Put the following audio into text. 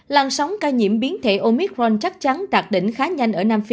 làn sóng ca nhiễm biến thể omicron chắc chắn đạt đỉnh khá nhanh ở nam phi